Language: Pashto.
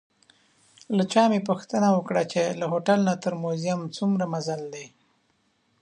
له چا مې پوښتنه وکړه چې له هوټل نه تر موزیم څومره مزل دی.